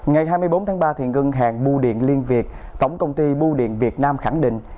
ngày hai mươi bốn tháng ba ngân hàng bưu điện liên việt tổng công ty bưu điện việt nam khẳng định